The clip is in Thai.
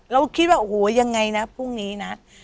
เราคิดว่ายังไงนะพวกนี้นะ